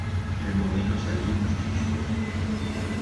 Removenos allí uns chuscos.